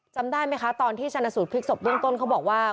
จำได้ไหมคะตอนที่ชนะสูตรพลิกศพเบื้องต้นเขาบอกว่า